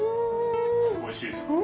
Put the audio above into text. おいしいですか？